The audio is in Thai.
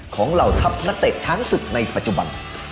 เหล่าทัพนักเตะช้างศึกในปัจจุบัน